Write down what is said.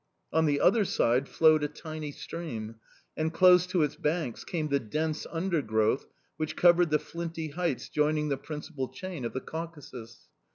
On the other side flowed a tiny stream, and close to its banks came the dense undergrowth which covered the flinty heights joining the principal chain of the Caucasus.